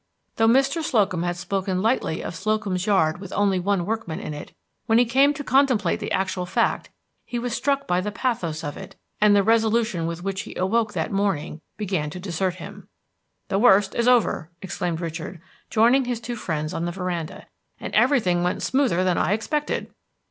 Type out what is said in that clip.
Though Mr. Slocum had spoken lightly of Slocum's Yard with only one workman in it, when he came to contemplate the actual fact he was struck by the pathos of it, and the resolution with which he awoke that morning began to desert him. "The worst is over," exclaimed Richard, joining his two friends on the veranda, "and everything went smoother than I expected."